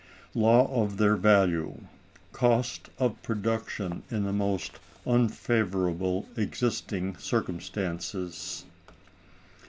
Law of their Value, Cost of Production in the most unfavorable existing circumstances.